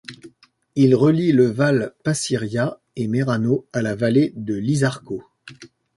Il relie le val Passiria et Merano à la vallée de l'Isarco.